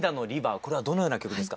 これはどのような曲ですか？